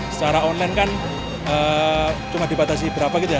secara online kan cuma dibatasi berapa gitu ya